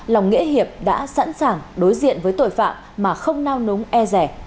lòng nghĩa hiệp đã sẵn sàng đối diện với tội phạm mà không nao núng e rẻ